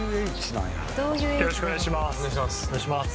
よろしくお願いします